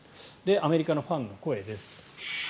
アメリカのファンの声です。